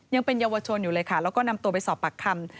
ยังเป็นเยาวชนอยู่เลยค่ะแล้วก็นำตัวไปสอบปากคำ